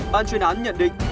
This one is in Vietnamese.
ban chuyên án nhận định